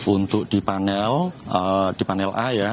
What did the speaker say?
untuk di panel a ya